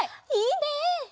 いいね！